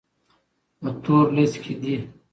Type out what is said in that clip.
په تور ليست کي دي.